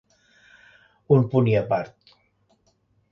Un punt i apart.